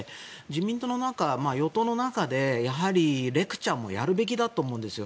自民党の中、与党の中でやはりレクチャーもやるべきだと思うんです。